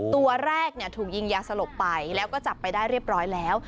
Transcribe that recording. ตัวแรกถูกยิงยาสลบไปแล้วก็จับไปได้เรียบร้อยแล้ว